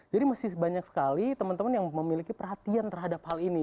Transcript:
jadi masih banyak sekali teman teman yang memiliki perhatian terhadap hal ini